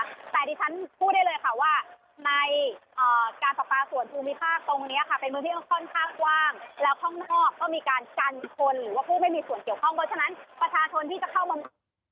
ฉันก็พูดได้เลยค่ะว่าการศอกปลาส่วนภูมิภาคตรงนี้ค่ะเป็นบินที่ค่อนข้างกว้างแล้วทั่วนอกก็มีการกันคนหรือพูดไม่มีส่วนเกี่ยวข้อง